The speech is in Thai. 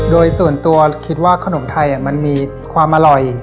โดยส่วนตัวคิดว่าขนมไทยมันมีความอร่อย